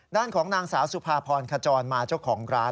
ด้านของนางสาวสุภาพรขจรมาเจ้าของร้าน